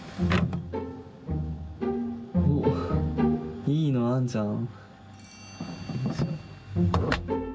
おっいいのあんじゃん。